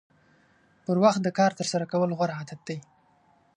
پر وخت د کار ترسره کول غوره عادت دی.